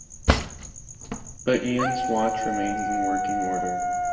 But Ian's watch remains in working order.